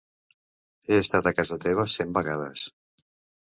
He estat a casa teva cent vegades.